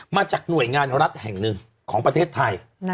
มาจากหน่วยงานรัฐแห่งหนึ่งของประเทศไทย